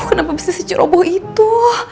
kenapa bisa si curobo itu